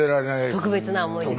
特別な思い出。